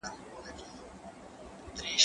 زه کولای شم دا کار وکړم!.